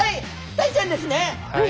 タイちゃんですね。